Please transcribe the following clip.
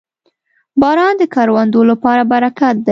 • باران د کروندو لپاره برکت دی.